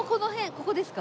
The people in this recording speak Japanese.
ここですか？